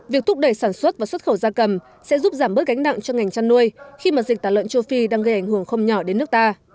việc thúc đẩy sản xuất và xuất khẩu da cầm sẽ giúp giảm bớt gánh nặng cho ngành chăn nuôi khi mà dịch tả lợn châu phi đang gây ảnh hưởng không nhỏ đến nước ta